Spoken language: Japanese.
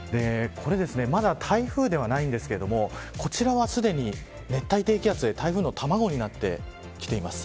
まだ台風ではないんですけどこちらは、すでに熱帯低気圧で台風の卵になってきています。